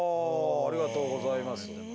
ありがとうございます。